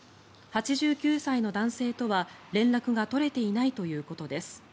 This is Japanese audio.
８９歳の男性とは連絡が取れていないということです。